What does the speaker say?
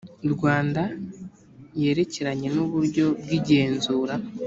rwanda yerekeranye n uburyo bw igenzura